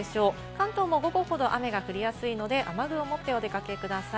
関東も午後ほど雨が降りやすいので、雨具を持ってお出かけください。